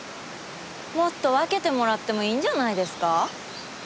もっと分けてもらってもいいんじゃないんですか？